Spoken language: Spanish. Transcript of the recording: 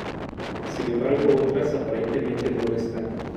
Sin embargo otras aparentemente no lo están.